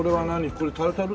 これタルタル？